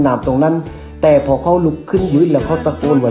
ตรงนั้นแต่พอเขาลุกขึ้นพื้นแล้วเขาตะโกนว่า